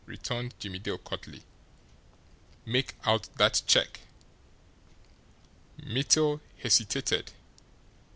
returned Jimmie Dale curtly. "Make out that check!" Mittel hesitated.